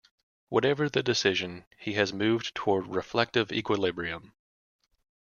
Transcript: Whatever the decision, he has moved toward reflective equilibrium.